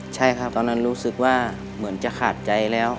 ใช่ครับตอนนั้นรู้สึกว่าเหมือนจะขาดใจแล้ว